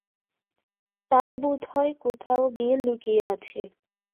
তাই বোধহয় কোথাও গিয়ে লুকিয়ে আছে।